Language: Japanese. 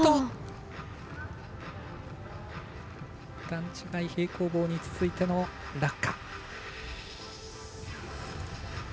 段違い平行棒に続いての落下。